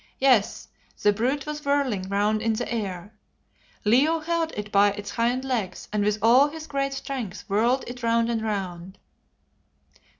Yes! the brute was whirling round in the air. Leo held it by its hind legs and with all his great strength whirled it round and round.